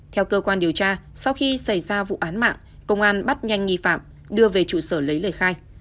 theo cơ quan điều tra sau khi xảy ra vụ án mạng công an bắt nhanh nghi phạm đưa về trụ sở lấy lời khai